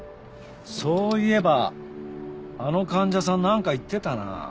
そういえばあの患者さんなんか言ってたな。